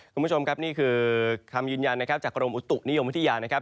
คุณผู้ชมครับนี่คือคำยืนยันนะครับจากกรมอุตุนิยมวิทยานะครับ